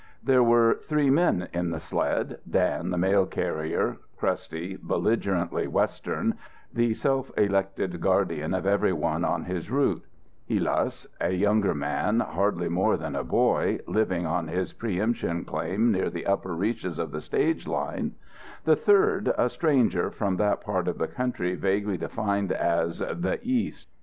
There were three men in the sled; Dan, the mail carrier, crusty, belligerently Western, the self elected guardian of every one on his route; Hillas, a younger man, hardly more than a boy, living on his pre emption claim near the upper reaches of the stage line; the third a stranger from that part of the country vaguely defined as "the East."